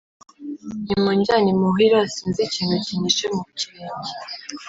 Nimunjyane imuhira, sinzi ikintu kinyishe mu kirenge.